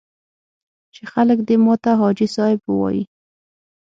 چې خلک دې ماته حاجي صاحب ووایي.